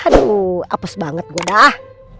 aduh apes banget go dah